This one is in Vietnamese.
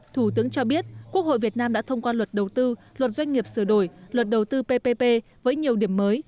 thủ tướng cho biết quốc hội việt nam đã thông qua luật đầu tư luật doanh nghiệp sửa đổi luật đầu tư ppp với nhiều điểm mới